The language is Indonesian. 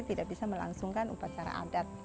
tidak bisa melangsungkan upacara adat